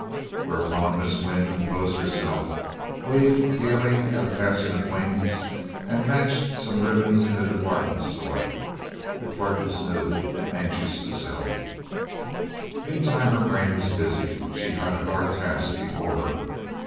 Whereupon Miss Wynn composed herself, waved gayly at a passing acquaintance, and matched some ribbons in a department store. The clerk was new and anxious to sell. Meantime her brain was busy. She had a hard task before her.